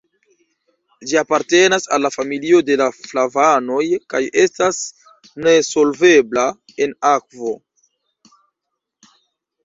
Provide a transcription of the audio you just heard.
Ĝi apartenas al la familio de la flavanoj kaj estas nesolvebla en akvo.